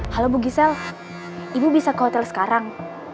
halo bu gisel ibu bisa ke hotel sekarang